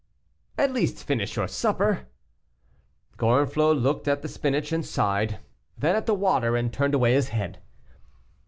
"At least, finish your supper." Gorenflot looked at the spinach, and sighed, then at the water, and turned away his head.